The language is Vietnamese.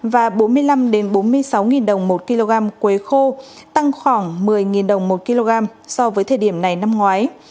và bốn mươi năm bốn mươi sáu đồng một kg quế khô tăng khoảng một mươi đồng một kg so với thời điểm này năm ngoái